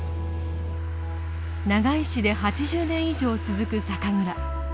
長井市で８０年以上続く酒蔵。